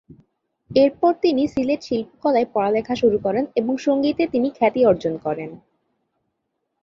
এরপর তিনি সিলেট শিল্পকলায় পড়ালেখা শুরু করেন এবং সঙ্গীতে তিনি খ্যাতি অর্জন করেন।